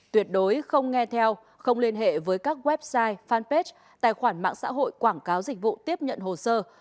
tuyệt đối không nghe theo không liên hệ với các website fanpage tài khoản mạng xã hội quảng cáo dịch vụ tiếp nhận hồ sơ